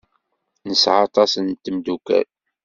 Nesɛa aṭas n tmeddukal.